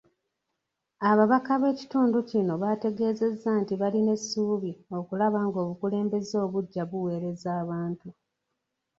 Ababaka b’ekitundu kino baategeezezza nti balina essuubi okulaba ng’obukulembeze obuggya buweereza abantu.